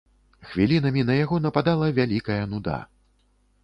Хвілінамі на яго нападала вялікая нуда.